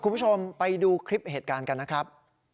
คุณผู้ชมไปดูคลิปเหตุการณ์กันนะครับ